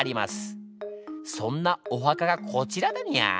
そんなお墓がこちらだにゃー。